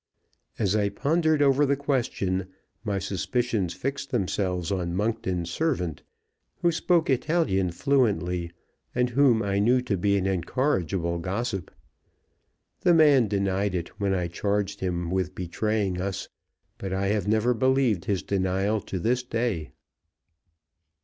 As I pondered over the question, my suspicions fixed themselves on Monkton's servant, who spoke Italian fluently, and whom I knew to be an incorrigible gossip. The man denied it when I charged him with betraying us, but I have never believed his denial to this day.